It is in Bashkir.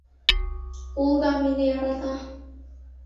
Ул да мине ярата!